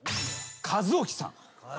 和興さん。